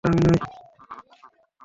খুশি হলাম যে এটা আমি নয়।